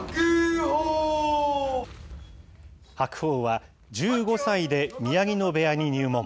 白鵬は１５歳で宮城野部屋に入門。